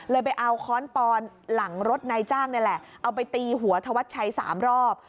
ไปเอาค้อนปอนหลังรถนายจ้างนี่แหละเอาไปตีหัวธวัชชัย๓รอบ